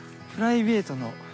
プライベートの。